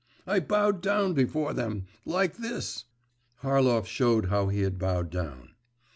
I bowed down before them … like this.' (Harlov showed how he had bowed down.)